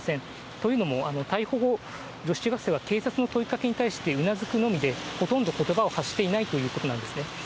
というのも、逮捕後、女子中学生は警察の問いかけに対してうなずくのみで、ほとんどことばを発していないということなんですね。